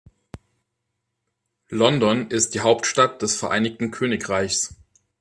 London ist die Hauptstadt des Vereinigten Königreichs.